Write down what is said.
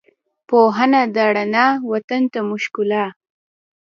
پوهنه ده رڼا، وطن ته مو ښکلا